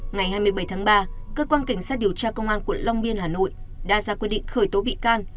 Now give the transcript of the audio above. ngày hai mươi bảy tháng ba cơ quan cảnh sát điều tra công an quận long biên hà nội đã ra quyết định khởi tố bị can